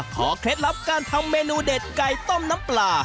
เคล็ดลับการทำเมนูเด็ดไก่ต้มน้ำปลา